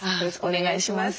お願いします。